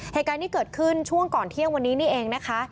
เหตุการณ์ที่เกิดขึ้นช่วงก่อนเที่ยงวันนี้นี่เองนะคะ